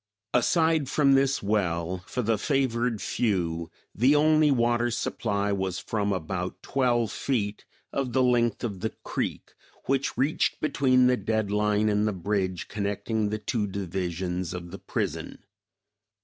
Aside from this well, for the favored few, the only water supply was from about twelve feet of the length of the creek which reached between the dead line and the bridge connecting the two divisions of the prison.